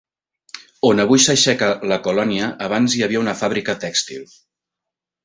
On avui s'aixeca la Colònia, abans hi havia una fàbrica tèxtil.